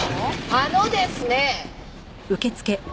あのですね！